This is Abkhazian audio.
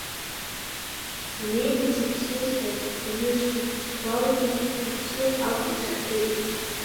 Самеигӡеит сыԥсыцқьагь рзысшеит, скәалгьы сыԥсы ақәҵа исыхьчеит.